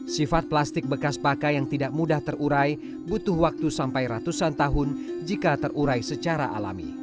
sifat plastik bekas pakai yang tidak mudah terurai butuh waktu sampai ratusan tahun jika terurai secara alami